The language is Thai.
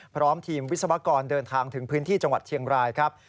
พร้อมทีมวิศวกรเดินทางถึงพื้นที่จังหวัดเชียงรายครับ